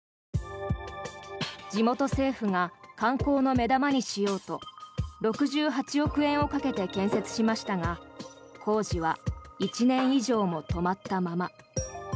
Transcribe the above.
地元政府が観光の目玉にしようと６８億円をかけて建設しましたが工事は１年以上も止まったまま。